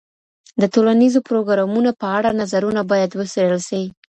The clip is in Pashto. د ټولنیزو پروګرامونو په اړه نظرونه باید وڅېړل سي.